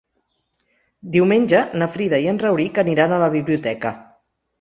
Diumenge na Frida i en Rauric aniran a la biblioteca.